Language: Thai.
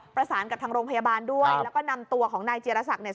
ประสานกับทางโรงพยาบาลด้วยแล้วก็นำตัวของนายจีรศักดิ์เนี่ย